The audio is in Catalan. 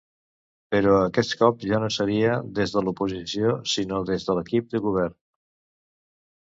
Però aquest cop ja no seria des de l’oposició, sinó des de l’equip de govern.